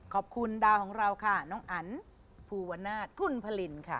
ขอบคุณดาวของเราค่ะน้องอันภูวนาศคุณพลินค่ะ